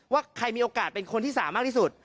ว่าใครมีโอกาสเป็นคนที่๓มากที่สุด